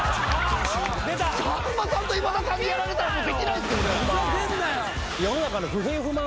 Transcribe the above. さんまさんと今田さんにやられたらもうできないですよ俺ら。